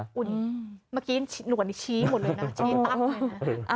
คุณเมื่อกี้หนวดนี่ชี้หมดเลยนะ